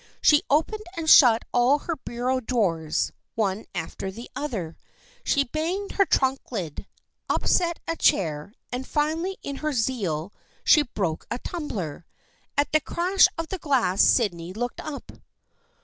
She opened and shut all her bureau drawers, one after the other. She banged her trunk lid, upset a chair, and finally in her zeal she broke a tumbler. At the crash of glass Sydney looked up.